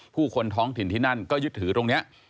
คนท้องถิ่นที่นั่นก็ยึดถือตรงนี้